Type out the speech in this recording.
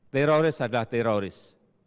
teroris adalah teroris